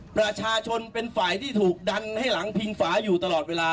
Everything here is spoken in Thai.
ประชาชนเป็นฝ่ายที่ถูกดันให้หลังพิงฝาอยู่ตลอดเวลา